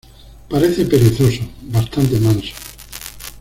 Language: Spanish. Parece perezoso, bastante manso.